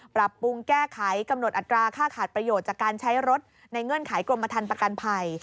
ปรับปรุงแก้ไขกำหนดอัตราค่าขาดประโยชน์จากการใช้รถในเงื่อนไขกรมธรรมประกันภัย